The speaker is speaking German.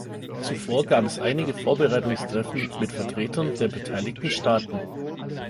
Zuvor gab es einige Vorbereitungstreffen mit Vertretern der beteiligten Staaten.